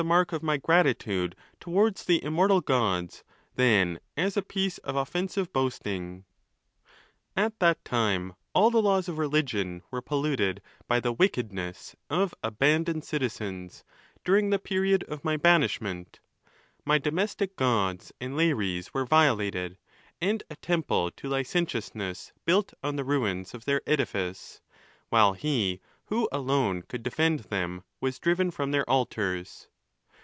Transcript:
mark of my gratitude towards the immortal gods, than as. a piece of offensive boasting. é |: a % se *%%* 1 XVIL At that time all the laws of religion were polluted 1 There is a hiatus here. :| 448 ON THE LAWS. by the wickedness of abandoned citizens, during the period of my banishment. My domestic gods and lares were violated, and a temple to licentiousness built on the ruins of their edifice; while he who alone could defend them was driven from their altars.